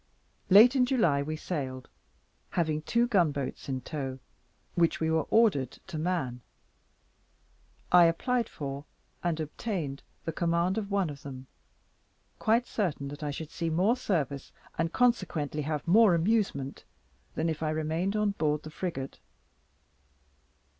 Late in July, we sailed, having two gunboats in tow, which we were ordered to man. I applied for, and obtained the command of one of them, quite certain that I should see more service, and consequently have more amusement, than if I remained on board the frigate.